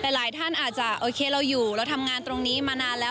แต่หลายท่านอาจจะโอเคเราอยู่เราทำงานตรงนี้มานานแล้ว